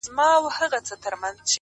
وجود به اور واخلي د سرې ميني لاوا به سم’